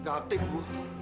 nggak aktif bu